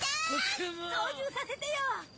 操縦させてよ！